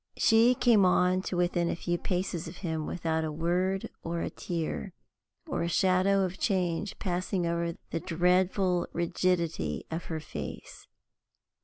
She came on to within a few paces of him without a word or a tear, or a shadow of change passing over the dreadful rigidity of her face.